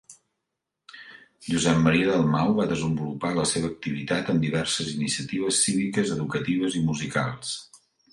Josep Maria Dalmau va desenvolupar la seva activitat en diverses iniciatives cíviques, educatives i musicals.